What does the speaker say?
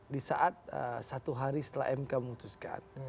di saat satu hari setelah mk memutuskan